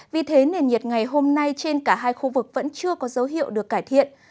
vì thế nền nhiệt ngày hôm nay trên cả hai khu vực vẫn chưa có dấu hiệu được cải thiện